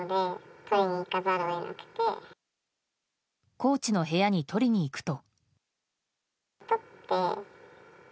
コーチの部屋に取りに行くと。